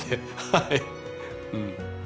はいうん。